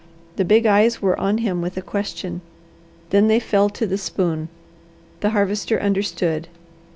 The big eyes were on him with a question. Then they fell to the spoon. The Harvester understood.